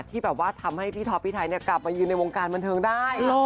ที่แบบว่าทำให้พี่ท็อปพี่ไทยกลับมายืนในวงการบันเทิงได้